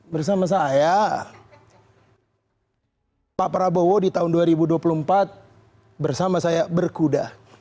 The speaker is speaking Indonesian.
bersama saya pak prabowo di tahun dua ribu dua puluh empat bersama saya berkuda